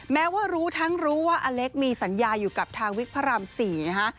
แม้ว่ารู้ทั้งรู้ว่าอเล็กมีสัญญาอยู่กับทางวิกพระราม๔นะคะ